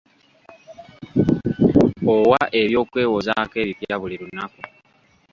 Owa eby'okwewozaako ebipya buli lunaku.